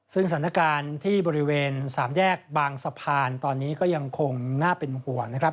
ซึ่งสถานการณ์ที่บริเวณสามแยกบางสะพานตอนนี้ก็ยังคงน่าเป็นห่วงนะครับ